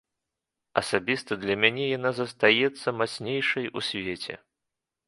Асабіста для мяне яна застаецца мацнейшай у свеце.